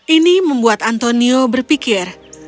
ini membuat antonio berpikir